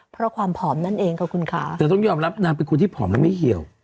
เพราะความผอมนั่นเองขอบคุณค่ะแต่ต้องยอมรับนางเป็นคนที่ผอมและไม่เหี่ยว